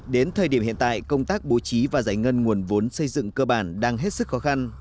đến thời điểm hiện tại công tác bố trí và giải ngân nguồn vốn xây dựng cơ bản đang hết sức khó khăn